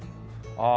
ああ